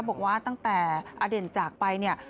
บอกว่าตั้งแต่อเด่นจากไปเนี่ย